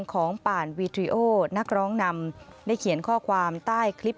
ของป่านวีทริโอนักร้องนำได้เขียนข้อความใต้คลิป